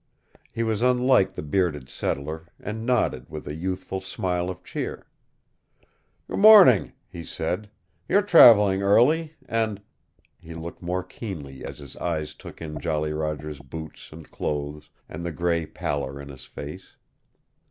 He was unlike the bearded settler, and nodded with a youthful smile of cheer. "Good morning," he said. "You're traveling early, and " He looked more keenly as his eyes took in Jolly Roger's boots and clothes, and the gray pallor in his face.